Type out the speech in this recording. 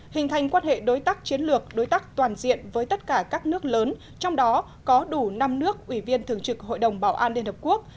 hình thành quan hệ đối tác chiến lược đối tác toàn diện với tất cả các nước lớn trong đó có đủ năm nước ủy viên thường trực hội đồng bảo an liên hợp quốc